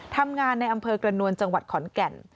ทำงานในอำเภอกระนวลจังหวัดขอนแก่น